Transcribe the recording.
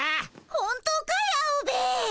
本当かいアオベエ。